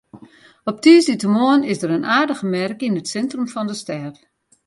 Op tiisdeitemoarn is der in aardige merk yn it sintrum fan de stêd.